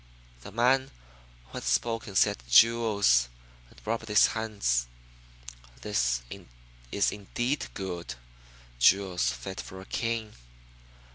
'" "The man who had spoken said 'Jewels,' and rubbed his hands. 'That is indeed good! Jewels fit for a king!"